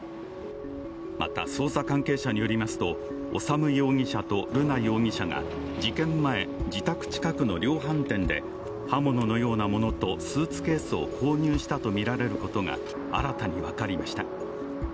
また、捜査関係者によりますと、修容疑者と瑠奈容疑者が事件前、自宅近くの量販店で刃物のようなものと、スーツケースを購入したとみられることが新たに分かりました。